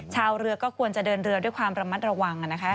ชาวเรือก็ควรจะเดินเรือด้วยความระมัดระวังนะคะ